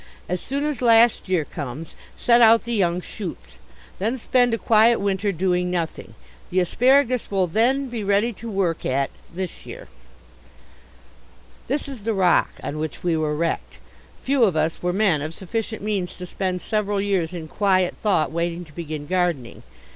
As soon as last year comes set out the young shoots. Then spend a quiet winter doing nothing. The asparagus will then be ready to work at this year. This is the rock on which we were wrecked. Few of us were men of sufficient means to spend several years in quiet thought waiting to begin gardening.